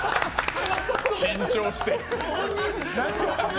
緊張して。